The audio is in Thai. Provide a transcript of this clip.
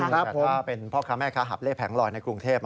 นะผมเป็นพ่อค้าแม่ค้าหับเล่แผงลอยในกรุงเทพ